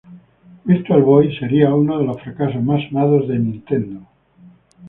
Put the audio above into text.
Virtual Boy sería uno de los fracasos más sonados de Nintendo.